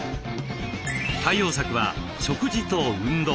対応策は食事と運動。